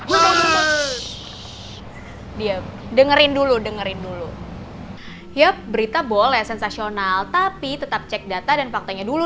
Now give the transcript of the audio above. hmm dia dengerin dulu dengerin dulu ya berita boleh sensasional tapi tetap cek data dan faktanya dulu